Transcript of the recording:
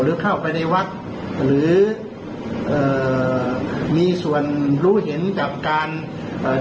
หรือเข้าไปในวัดหรือเอ่อมีส่วนรู้เห็นกับการเอ่อ